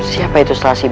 siapa itu selasi